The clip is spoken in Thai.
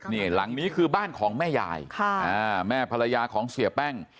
นี่หลังนี้คือบ้านของแม่ยายแม่ภรรยาของเสียแป้ง